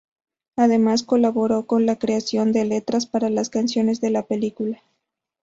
Además colaboró con la creación de letras para las canciones de la película.